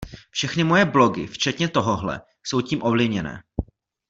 Všechny moje blogy, včetně tohohle, jsou tím ovlivněné.